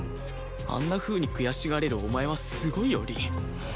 あんなふうに悔しがれるお前はすごいよ凛